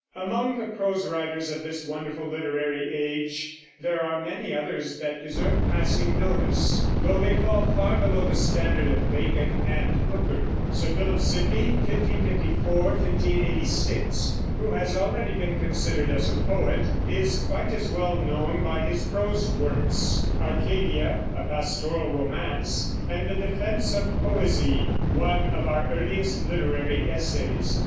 Among the prose writers of this wonderful literary age there are many others that deserve passing notice, though they fall far below the standard of Bacon and Hooker. Sir Philip Sidney (1554 1586), who has already been considered as a poet, is quite as well known by his prose works, Arcadia, a pastoral romance, and the Defense of Poesie, one of our earliest literary essays.